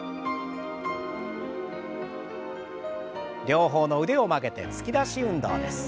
両方の腕を曲げて突き出し運動です。